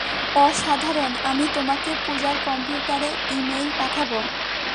অসাধারণ, আমি তোমাকে পুজার, কম্পিউটারে ই-মেইল পাঠাবো।